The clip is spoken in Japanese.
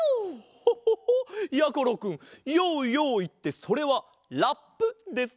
ホホホ！やころくんＹＯＹＯいってそれはラップですかな？